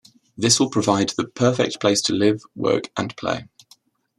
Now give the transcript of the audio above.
This will provide "the perfect place to live, work, and play".